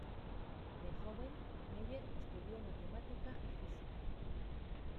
De joven, Meyer estudió matemática y física.